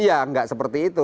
iya nggak seperti itu